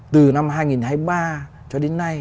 từ năm hai nghìn hai mươi ba cho đến nay